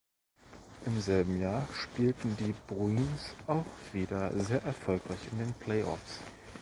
Im selben Jahr spielten die Bruins auch wieder sehr erfolgreich in den Playoffs.